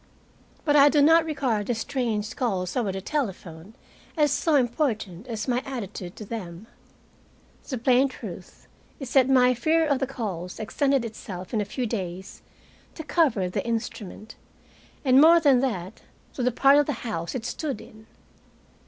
But I do not regard the strange calls over the telephone as so important as my attitude to them. The plain truth is that my fear of the calls extended itself in a few days to cover the instrument, and more than that, to the part of the house it stood in.